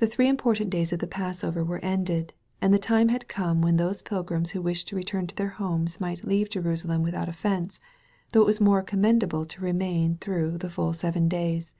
The three important days of the Passover were ended, and the time had come when those pilgrims who wished to return to their homes might leave Jerusalem without offense, though it was more com mendable to remain through the full seven days.